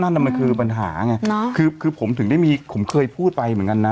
นั่นน่ะมันคือปัญหาไงคือคือผมถึงได้มีผมเคยพูดไปเหมือนกันนะ